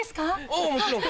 ああもちろん。